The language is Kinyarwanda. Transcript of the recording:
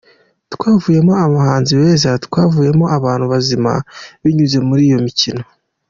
Twavuyemo amahanzi beza, twavuyemo abantu bazima, binyuze muri iyo mikino.